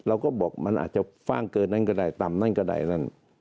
เราก็บอกมันอาจจะฟ่างเกินนั้นก็ได้ต่ำนั้นก็ได้นั่น